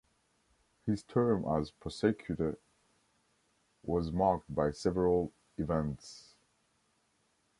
His term as prosecutor was marked by several events.